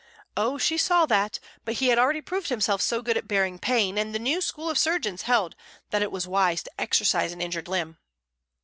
Oh, she saw that, but he had already proved himself so good at bearing pain, and the new school of surgeons held that it was wise to exercise an injured limb.